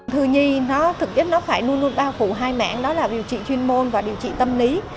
thư nhi thực chất nó phải luôn luôn bao phủ hai mạng đó là điều trị chuyên môn và điều trị tâm lý